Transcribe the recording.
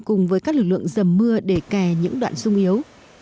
cùng với các lực lượng dầm mưa để kè những đoạn sung yếu